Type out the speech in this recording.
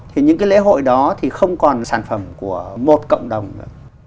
thì những cái lễ hội đó thì không còn sản phẩm của một cộng đồng nữa